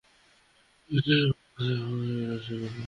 এটি সুফিয়া কামাল বুঝেছিলেন, তাই সংগ্রাম তাঁর কাছে বিলাস ছিল না।